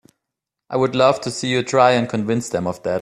I'd love to see you try and convince them of that!